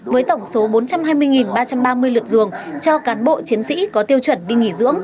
với tổng số bốn trăm hai mươi ba trăm ba mươi lượt dường cho cán bộ chiến sĩ có tiêu chuẩn đi nghỉ dưỡng